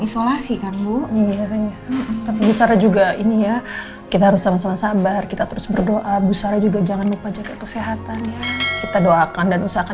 isolasi ini juga ini ya kita harus amor sabar kita terus berdoa jangan lupa jaga